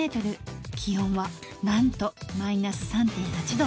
気温はなんとマイナス３．８℃。